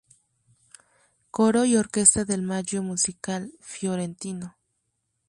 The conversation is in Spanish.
Coro y Orquesta del Maggio Musicale Fiorentino.